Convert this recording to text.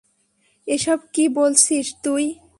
এসব কি বলছিস তুই?